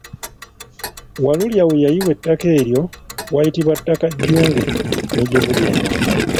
Walulya we yayiwa ettaka eryo wayitibwa Ttakajjunge ne gye buli eno.